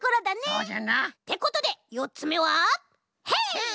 そうじゃな。ってことで４つめはヘイ！